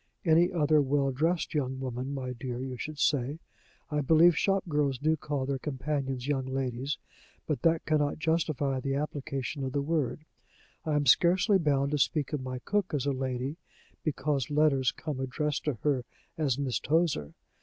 "Any other well dressed young woman, my dear, you should say. I believe shop girls do call their companions young ladies, but that can not justify the application of the word. I am scarcely bound to speak of my cook as a lady because letters come addressed to her as Miss Tozer.